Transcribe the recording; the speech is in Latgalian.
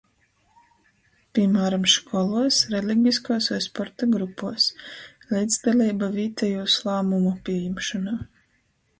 Pīmāram, školuos, religiskuos voi sporta grupuos. Leidzdaleiba vītejūs lāmumu pījimšonā.